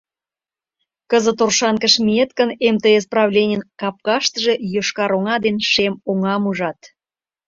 Кызыт Оршанкыш миет гын, МТС правленийын капкаштыже йошкар оҥа ден шем оҥам ужат.